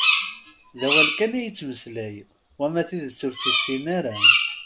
D awal kan i yettmeslay, wama tidet u tt-yessin ara.